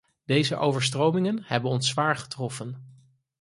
Deze overstromingen hebben ons zwaar getroffen.